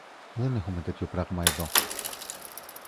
Δεν έχουμε τέτοιο πράμα εδώ.